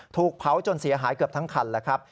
ถูกเผาจนเสียหายเกือบทั้งคันแล้วครับ